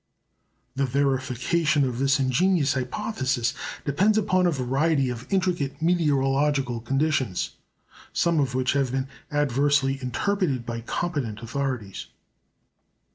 The verification of this ingenious hypothesis depends upon a variety of intricate meteorological conditions, some of which have been adversely interpreted by competent authorities.